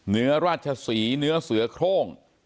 เนื้อราชศรีเนื้อเสือโค้ง